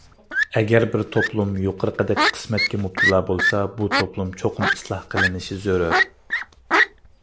ئەگەر بىر توپلۇم يۇقىرىقىدەك قىسمەتكە مۇپتىلا بولسا، بۇ توپلۇم چوقۇم ئىسلاھ قىلىنىشى زۆرۈر.